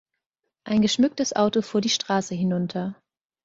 Ein geschmücktes Auto fuhr die Straße hinunter.